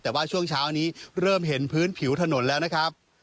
แต่ว่าช่วงเช้านี้เริ่มเห็นพื้นผิวถนนแล้วนะครับ